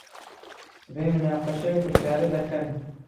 سبەی موناقەشەی ئەو پرسیارە دەکەن.